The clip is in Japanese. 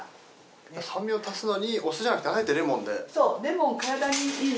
酸味を足すのにお酢じゃなくてあえてレモンで。